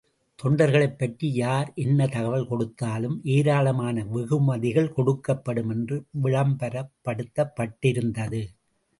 தொண்டர்களைப்பற்றி யார் என்ன தகவல் கொடுத்தாலும் ஏராளமான வெகுமதிகள் கொடுக்கபடும் என்று விளம்பரப்படுத்தப்பட்டிருந்தது.